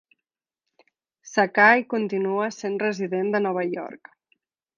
Sakhai continua sent resident de Nova York.